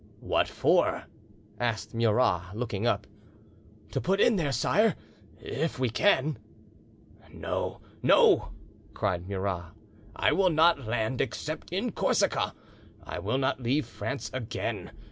"What for?" asked Murat, looking up. "To put in there, sire, if we can." "No, no," cried Murat; "I will not land except in Corsica. I will not leave France again.